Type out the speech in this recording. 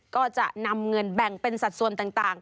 ก็จะนำเงินแบ่งเป็นสัดส่วนต่าง